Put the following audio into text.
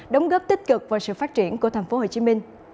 đóng góp tích cực vào sự phát triển của tp hcm